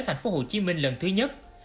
thành phố hồ chí minh lần thứ nhất